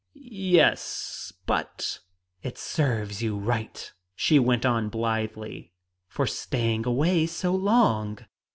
"Yes, but " "It serves you right," she went on blithely, "for staying away so long.